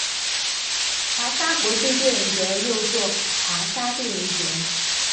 华沙国际电影节又作华沙电影节。